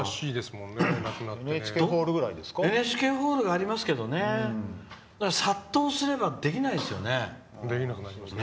ＮＨＫホールありますけど殺到すればできないですもんね。